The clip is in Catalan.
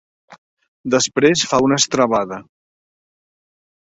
Després fa una estrebada.